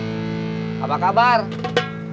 kalau nggak boleh nanti dia mau dilaporin ke polisi